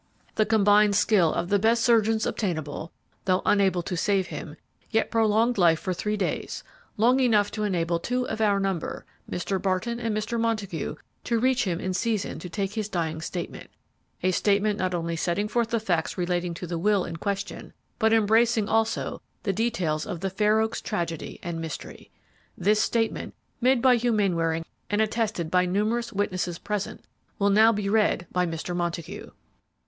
The combined skill of the best surgeons obtainable, though unable to save him, yet prolonged life for three days, long enough to enable two of our number, Mr. Barton and Mr. Montague, to reach him in season to take his dying statement; a statement not only setting forth the facts relating to the will in question, but embracing also the details of the Fair Oaks tragedy and mystery. This statement, made by Hugh Mainwaring and attested by numerous witnesses present, will now be read by Mr. Montague."